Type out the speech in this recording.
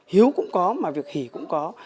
hiếu cũng có việc hỉ cũng có